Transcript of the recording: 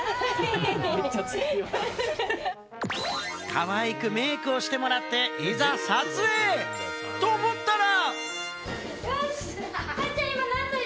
可愛くメイクをしてもらって、いざ撮影！と思ったら。